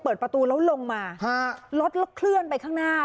เปิดประตูแล้วลงมารถแล้วเคลื่อนไปข้างหน้า